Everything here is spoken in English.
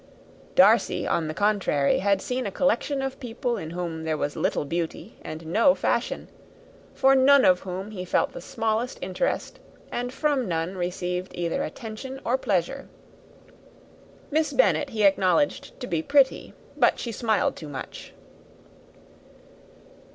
Darcy, on the contrary, had seen a collection of people in whom there was little beauty and no fashion, for none of whom he had felt the smallest interest, and from none received either attention or pleasure. Miss Bennet he acknowledged to be pretty; but she smiled too much.